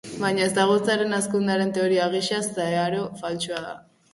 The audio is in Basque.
Baina ezagutzaren hazkundearen teoria gisa, zeharo faltsua da.